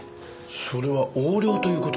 それは横領という事ですか？